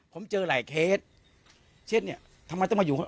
ผมเจอหลายเคสเช่นทำไมต้องมาอยู่